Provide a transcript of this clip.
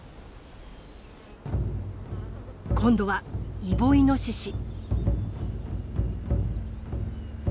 今度はイボイノシシ。